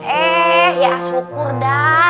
eh ya syukur dah